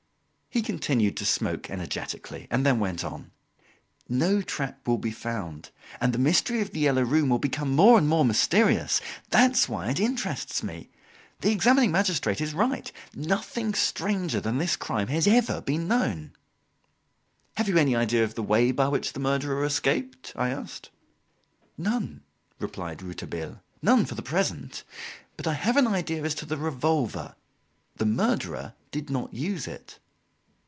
He continued to smoke energetically, and then went on: "No trap will be found, and the mystery of "The Yellow Room" will become more and more mysterious. That's why it interests me. The examining magistrate is right; nothing stranger than this crime has ever been known." "Have you any idea of the way by which the murderer escaped?" I asked. "None," replied Rouletabille "none, for the present. But I have an idea as to the revolver; the murderer did not use it."